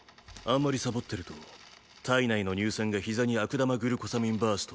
あんまりサボってると体内の乳酸がひざに悪玉グルコサミンバーストで。